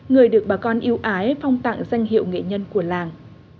người được bà con yêu ái phong tặng danh hiệu nghệ nhân của làng